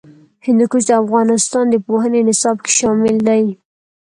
هندوکش د افغانستان د پوهنې نصاب کې شامل دي.